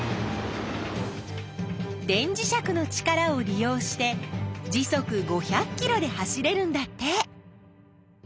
電磁石の力を利用して時速５００キロで走れるんだって！